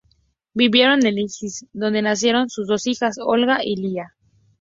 Vivieron en Leipzig donde nacieron sus dos hijas: Olga y Lya.